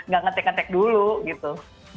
gak ngetik ngetik dulu gitu